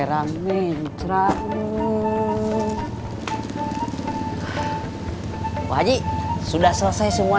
batun sampai ketika anda pandai saja